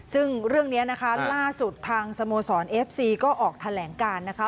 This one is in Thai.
ซึ่งเรื่องนี้นะคะล่าสุดทางสโมสรเอฟซีก็ออกแถลงการนะคะ